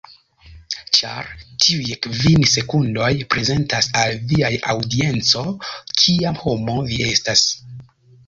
Ĉar tiuj kvin sekundoj, prezentas al viaj aŭdienco kia homo vi estas.